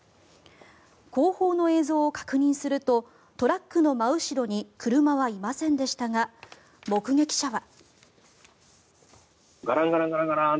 後方の映像を確認するとトラックの真後ろに車はいませんでしたが目撃者は。